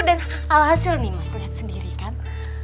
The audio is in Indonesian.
dan alhasil nih mas lihat sendiri kan